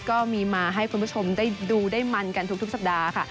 ก็มีมาให้คุณผู้ชมได้ดูได้มันกันทุกสัปดาห์ค่ะ